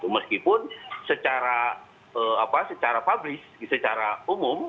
meskipun secara apa secara publis secara umum